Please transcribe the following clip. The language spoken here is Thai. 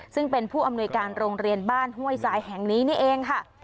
ซึ่งเป็นผู้อำนวยการโรงเรียนบ้านห้วยทรายแห่งนี้นี่เองค่ะ